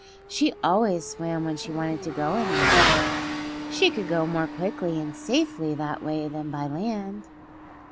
She always swam when she wanted to go anywhere. She could go more quickly and safely that way than by land.